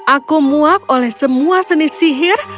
aku muak oleh semua seni sihir